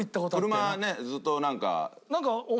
車ねずっとなんか。